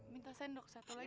minta sendok satu lagi